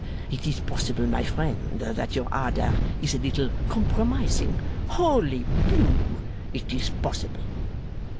It is possible, my friend, that your ardour is a little compromising. Holy Blue! It is possible.